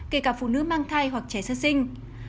kể cả phụ nữ mang thai hoặc trẻ sơ sinh